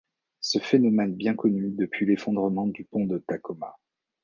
Ce phénomène bien connu depuis l'effondrement du pont de Tacoma.